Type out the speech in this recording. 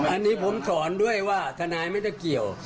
อันนี้ผมถอนด้วยว่าทนายไม่ได้เกี่ยว